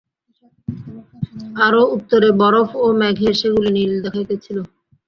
আরও উত্তরে বরফ ও মেঘে সেগুলি নীল দেখাইতেছিল।